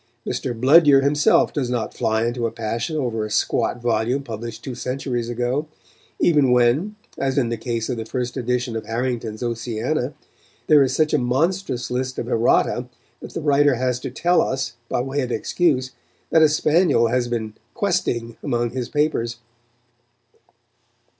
Mr. Bludyer himself does not fly into a passion over a squat volume published two centuries ago, even when, as in the case of the first edition of Harrington's Oceana, there is such a monstrous list of errata that the writer has to tell us, by way of excuse, that a spaniel has been "questing" among his papers.